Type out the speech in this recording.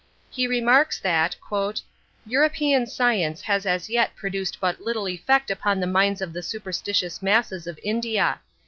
He remarks that "European science has as yet produced but little effect upon the minds of the superstitious masses of India.